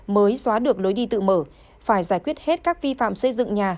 mới xóa được lối đi tự mở phải giải quyết hết các vi phạm xây dựng nhà